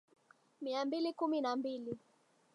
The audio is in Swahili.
Mia mbili kumi na mbili